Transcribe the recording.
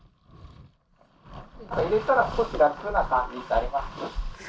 入れたら少し楽な感じってありますか？